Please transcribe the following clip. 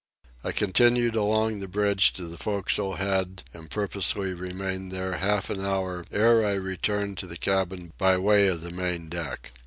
I continued along the bridge to the forecastle head and purposely remained there half an hour ere I returned to the cabin by way of the main deck.